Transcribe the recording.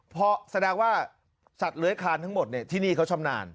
เพราะแสดงว่าสัตว์เลื้อยคานทั้งหมดที่นี่เขาชำนาญ